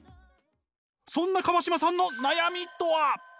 そんな川島さんの悩みとは？